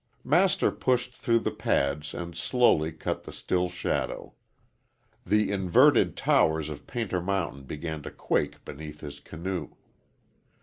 Master pushed through the pads and slowly cut the still shadow. The inverted towers of Painter Mountain began to quake beneath his canoe.